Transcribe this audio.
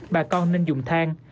bà con nên dùng thang